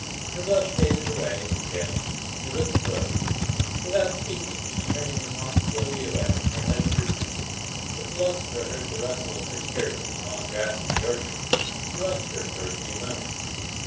Her blush faded away into paleness; her lips closed. Without speaking, she turned and walked slowly away, her head drooping. The philosopher heard the rustle of her skirt in the long grass of the orchard; he watched her for a few moments.